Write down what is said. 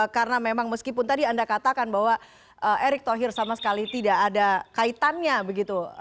karena memang meskipun tadi anda katakan bahwa erik thohir sama sekali tidak ada kaitannya begitu